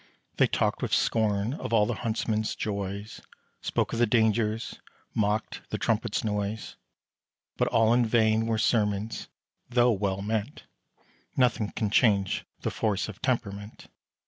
They talked with scorn of all the huntsman's joys, Spoke of the dangers mocked the trumpet's noise. But all in vain were sermons, though well meant; Nothing can change the force of temperament.